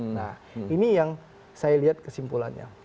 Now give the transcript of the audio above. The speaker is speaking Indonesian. nah ini yang saya lihat kesimpulannya